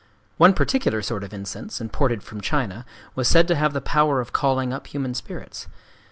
One particular sort of incense, imported from China, was said to have the power of calling up human spirits.